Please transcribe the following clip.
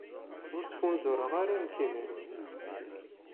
Ur ttfunzureɣ ara, nekkini.